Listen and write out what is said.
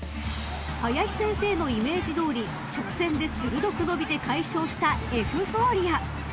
［林先生のイメージ通り直線で鋭く伸びて快勝したエフフォーリア］